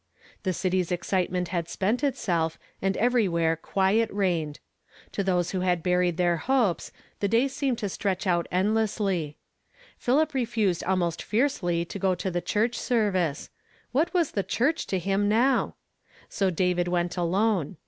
The city's excitement had spent itself, and every where quiet reigned. To those who had buried their hopes, the day seemed to stretch out end lessly. Philip refused almost fiercelv to o o tn th^ S16 YESTERDAY ERAIStED IN TO DAY. church service, — what was the church to liim now? So "David went alone.